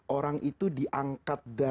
orang itu diangkat